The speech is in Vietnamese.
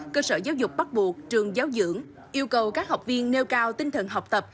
cơ sở giáo dục bắt buộc trường giáo dưỡng yêu cầu các học viên nêu cao tinh thần học tập